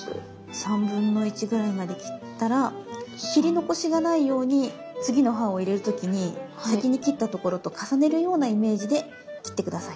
1/3ぐらいまで切ったら切り残しがないように次の刃を入れる時に先に切ったところと重ねるようなイメージで切って下さい。